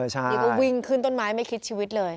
ใช่หรือว่าวิ่งขึ้นต้นไม้ไม่คิดชีวิตเลย